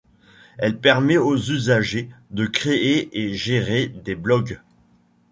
Elle permet aux usagers de créer et gérer des blogs.